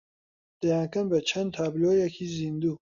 دەیانکەن بە چەند تابلۆیەکی زیندوو